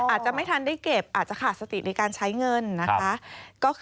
อาจจะไม่ทันได้เก็บอาจจะขาดสติในการใช้เงินนะคะ